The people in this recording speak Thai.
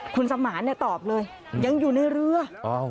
คุณสมานเนี่ยตอบเลยยังอยู่ในเรืออ้าว